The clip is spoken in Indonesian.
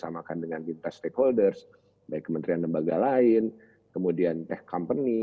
samakan dengan lintas stakeholders baik kementerian lembaga lain kemudian tech company